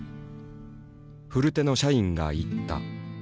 古手の社員が言った。